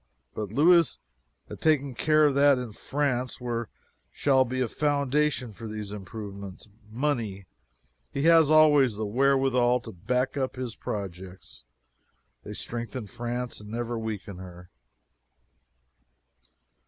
But Louis has taken care that in France there shall be a foundation for these improvements money. He has always the wherewithal to back up his projects; they strengthen France and never weaken her.